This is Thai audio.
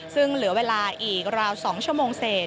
ซึ่งเหลือเวลาอีกราว๒ชั่วโมงเศษ